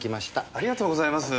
ありがとうございます。